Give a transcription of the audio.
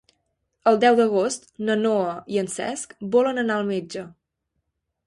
El deu d'agost na Noa i en Cesc volen anar al metge.